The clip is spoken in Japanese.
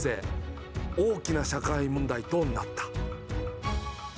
大きな社会問題となった。